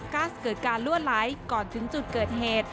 ัสเกิดการลั่วไหลก่อนถึงจุดเกิดเหตุ